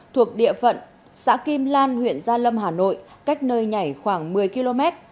thuộc địa phận xã kim lan huyện gia lâm hà nội cách nơi nhảy khoảng một mươi km